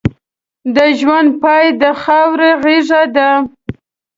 د ژوند پای د خاورې غېږه ده.